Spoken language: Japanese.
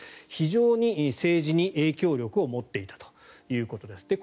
非常に政治に影響力を持っていたということです。